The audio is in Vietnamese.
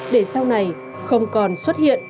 để sau này không còn xuất hiện